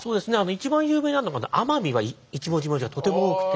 一番有名なのが奄美は一文字名字がとても多くて。